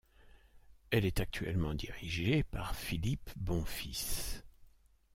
Elle est actuellement dirigée par Philippe Bonfils.